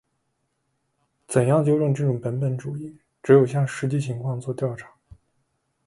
怎样纠正这种本本主义？只有向实际情况作调查。